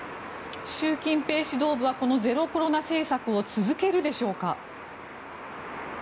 習近平指導部はこのゼロコロナ政策を続けるでしょうか？